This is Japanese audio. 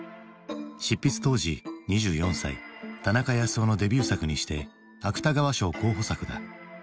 執筆当時２４歳田中康夫のデビュー作にして芥川賞候補作だ。